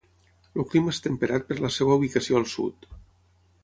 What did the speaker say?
El clima és temperat per la seva ubicació al sud.